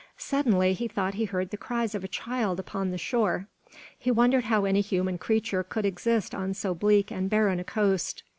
Suddenly he thought he heard the cries of a child upon the shore. He wondered how any human creature could exist on so bleak and barren a coast.